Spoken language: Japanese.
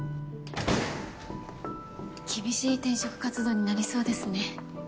厳しい転職活動になりそうですね。